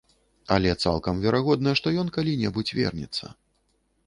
Але цалкам верагодна, што ён калі-небудзь вернецца.